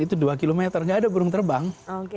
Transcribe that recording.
itu dua km nggak ada burung terbang